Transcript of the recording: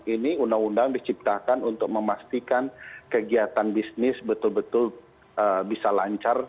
ini undang undang diciptakan untuk memastikan kegiatan bisnis betul betul bisa lancar